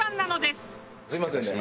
すみませんね。